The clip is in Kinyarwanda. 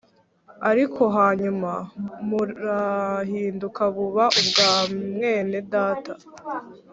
Ariko hanyuma burahinduka buba ubwa mwene data